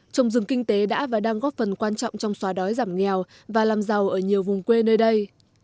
trồng rừng kinh tế đã và đang góp phần quan trọng trong xóa đói giảm nghèo và làm giàu ở nhiều vùng quê nơi đây